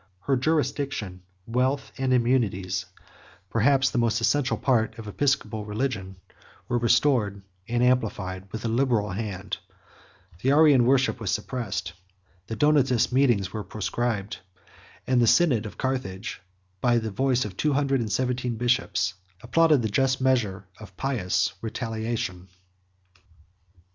Her jurisdiction, wealth, and immunites, perhaps the most essential part of episcopal religion, were restored and amplified with a liberal hand; the Arian worship was suppressed; the Donatist meetings were proscribed; 25 and the synod of Carthage, by the voice of two hundred and seventeen bishops, 26 applauded the just measure of pious retaliation.